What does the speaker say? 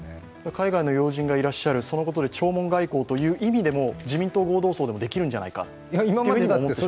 海外の要人がいらっしゃるそのことで弔問外交という意味でも自民党合同葬でもできるんじゃないかと思ってしまうわけです。